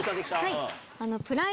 はい。